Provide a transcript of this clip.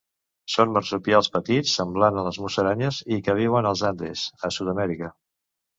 Són marsupials petits semblants a les musaranyes i que viuen als Andes, a Sud-amèrica.